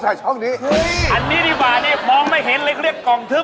ทำไงครับ